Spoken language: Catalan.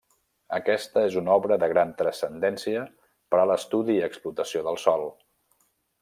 Aquesta és una obra de gran transcendència per a l'estudi i explotació del sòl.